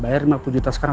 bayar dimaklumatkan sekarang